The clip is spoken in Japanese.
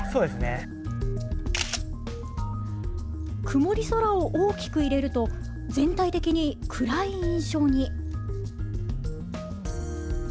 曇り空を大きく入れると全体的に暗い印象に。